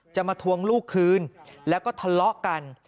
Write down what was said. มาทวงลูกคืนแล้วก็ทะเลาะกัน